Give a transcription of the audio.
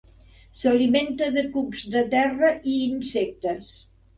S'alimenta de cucs de terra i insectes.